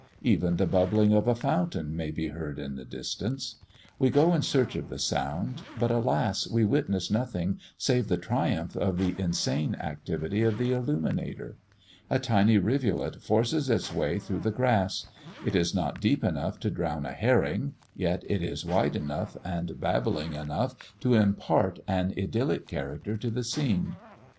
Even the bubbling of a fountain may be heard in the distance. We go in search of the sound; but, alas, we witness nothing save the triumph of the insane activity of the illuminator. A tiny rivulet forces its way through the grass; it is not deep enough to drown a herring, yet it is wide enough and babbling enough to impart an idyllic character to the scene.